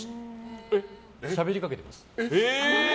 しゃべりかけてます。